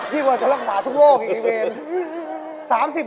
ชิบวันจะรักหาทุกโลกเองเวน